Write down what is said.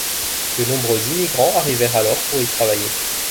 De nombreux immigrants arrivèrent alors pour y travailler.